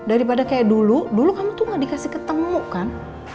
daripada kayak dulu dulu kamu tuh gak dikasih ketemu kan